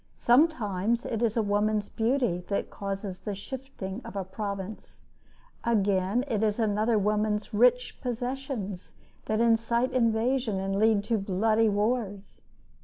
Sometimes it is a woman's beauty that causes the shifting of a province. Again it is another woman's rich possessions that incite invasion and lead to bloody wars.